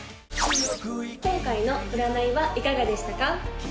今回の占いはいかがでしたか？